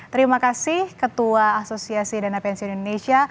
terima kasih ketua asosiasi dana pensiun indonesia